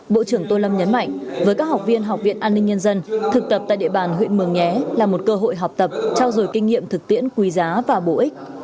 bộ trưởng tô lâm nhấn mạnh với các học viên học viện an ninh nhân dân thực tập tại địa bàn huyện mường nhé là một cơ hội học tập trao dồi kinh nghiệm thực tiễn quý giá và bổ ích